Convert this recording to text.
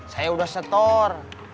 saya udah setor